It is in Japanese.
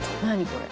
これ」